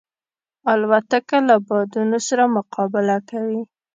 الوتکه له بادونو سره مقابله کوي.